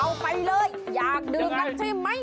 เอาไปเลยอยากดื่มกันใช่ไหม